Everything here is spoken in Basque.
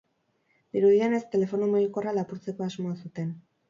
Dirudienez, telefono mugikorra lapurtzeko asmoa zuten.